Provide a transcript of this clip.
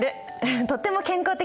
とっても健康的。